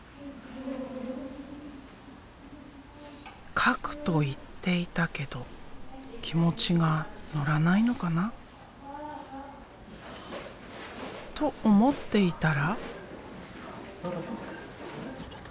描くと言っていたけど気持ちが乗らないのかなと思っていたら。